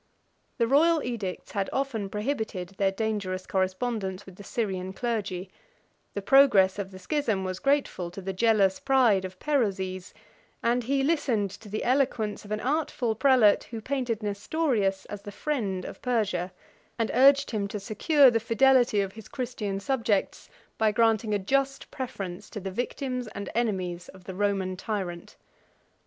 The royal edicts had often prohibited their dangerous correspondence with the Syrian clergy: the progress of the schism was grateful to the jealous pride of Perozes, and he listened to the eloquence of an artful prelate, who painted Nestorius as the friend of Persia, and urged him to secure the fidelity of his Christian subjects, by granting a just preference to the victims and enemies of the Roman tyrant.